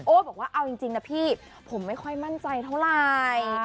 บอกว่าเอาจริงนะพี่ผมไม่ค่อยมั่นใจเท่าไหร่